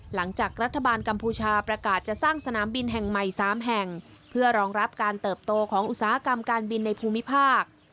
หลังจากรัฐบาลกัมพูชาประกาศจะสร้างสนามบินแห่งใหม่๓แห่งเพื่อรองรับการเติบโตของอุตสาหกรรมการบินในภูมิภาค